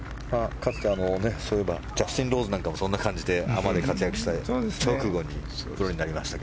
かつてジャスティン・ローズなんかもそんな感じでアマで活躍した直後にプロになりましたが。